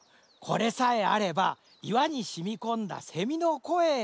これさえあれば岩にしみこんだ蝉の声も。